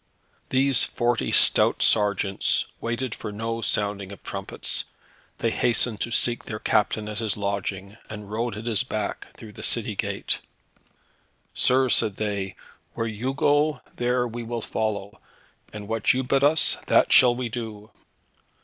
These forty stout sergeants waited for no sounding of trumpets; they hastened to seek their captain at his lodging, and rode at his back through the city gate. "Sir," said they, "where you go, there we will follow, and what you bid us, that shall we do."